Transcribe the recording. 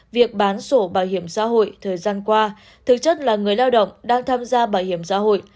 việc bán sổ bảo hiểm xã hội thời gian qua thực chất là người lao động đang tham gia bảo hiểm xã hội